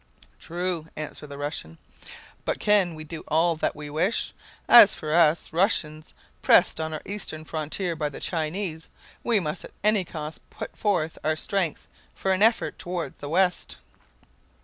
"True," answered the Russian; "but can we do all that we wish? As for us Russians, pressed on our eastern frontier by the Chinese, we must at any cost put forth our strength for an effort toward the west."